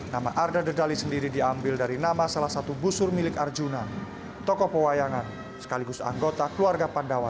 nama arda dedali sendiri diambil dari nama salah satu busur milik arjuna tokoh pewayangan sekaligus anggota keluarga pandawa